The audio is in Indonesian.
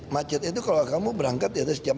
macet itu kalau kamu berangkat di atas jam